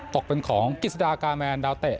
ตกเป็นของกิจสดากาแมนดาวเตะ